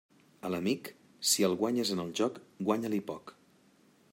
A l'amic, si el guanyes en el joc, guanya-li poc.